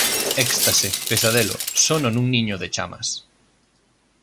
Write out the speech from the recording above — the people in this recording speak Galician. Éxtase, pesadelo, sono nun niño de chamas.